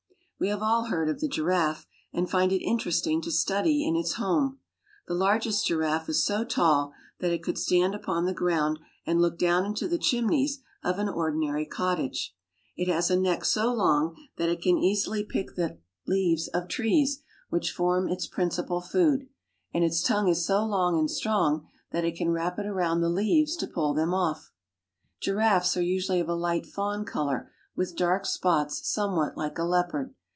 We have all heard pf the giraffe, and find it interesting to study it in its home. The largest giraffe is so tall that it could stand upon the ground and look down into the chim iys of an ordinary ittage. It has a neck so long that it can easily pick the leavesof trees, which form its principal food ; and its tongue is so long and strong that it can wrap it around the leaves to pull them off Giraffes are usually of a hght fawn color, with dark spots somewhat like a leopard.